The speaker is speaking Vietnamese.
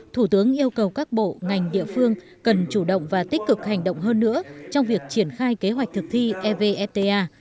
thủ tướng yêu cầu các bộ ngành địa phương cần chủ động và tích cực hành động hơn nữa trong việc triển khai kế hoạch thực thi evfta